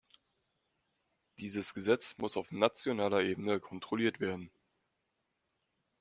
Dieses Gesetz muss auf nationaler Ebene kontrolliert werden.